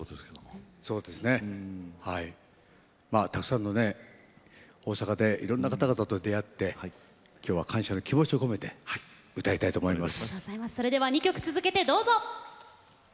大阪でたくさんのいろんな方に出会って感謝の気持ちを込めて歌いたいと思います。